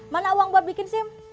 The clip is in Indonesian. mana uang buat bikin sim